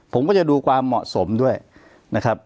ผมก็จะดูความเหมาะสมด้วยนะครับ